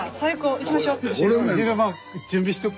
行きましょう。